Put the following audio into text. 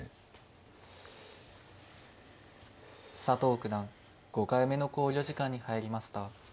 佐藤九段５回目の考慮時間に入りました。